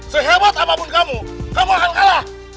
sehebat apapun kamu kamu akan kalah